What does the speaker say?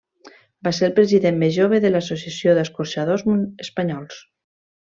Va ser el president més jove de l'Associació d'Escorxadors Espanyols.